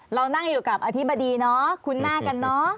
เรานั่งอยู่กับอธิบดีเนาะคุ้นหน้ากันเนอะ